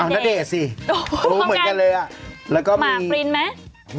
นาเดสิรู้เหมือนกันเลยอ่ะแล้วก็มีหมาปริ้นไหม